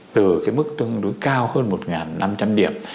từ cái mức tương đối cao hơn một năm trăm linh điểm